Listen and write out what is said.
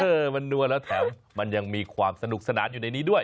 เออมันนัวแล้วแถมมันยังมีความสนุกสนานอยู่ในนี้ด้วย